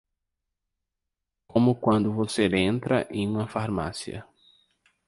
Como quando você entra em uma farmácia.